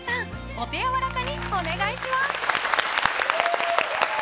お手やわらかにお願いします！